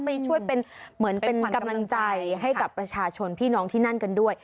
ไปช่วยเป็นเหมือนเป็นกำลังใจให้กับประชาชนพี่น้องที่นั่นกันด้วย